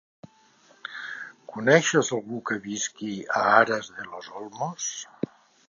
Coneixes algú que visqui a Aras de los Olmos?